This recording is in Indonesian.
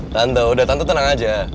tante udah tante tenang aja